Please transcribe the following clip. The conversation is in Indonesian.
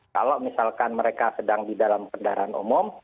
kalau misalkan mereka sedang di dalam kendaraan umum